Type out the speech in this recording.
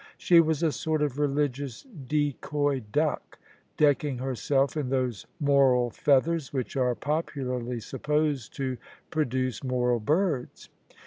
She was a sort of religious decoy duck, decking herself in those moral feathers which are popularly supposed to produce moral birds.